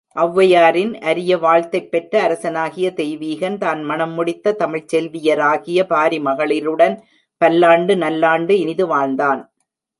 ஒளவையாரின் அரிய வாழ்த்தைப்பெற்ற அரசனாகிய தெய்வீகன், தான் மணம் முடித்த தமிழ்ச்செல்வியராகிய பாரிமகளிருடன் பல்லாண்டு நல்லாண்டு இனிது வாழ்ந்தான்.